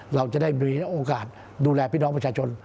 เราจะได้มีโอกาสดูแลพี่น้องประชาชน